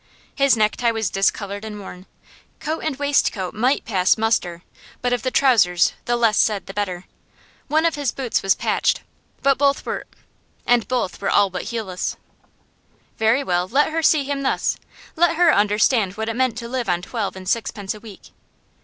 His necktie was discoloured and worn. Coat and waistcoat might pass muster, but of the trousers the less said the better. One of his boots was patched, and both were all but heelless. Very well; let her see him thus. Let her understand what it meant to live on twelve and sixpence a week.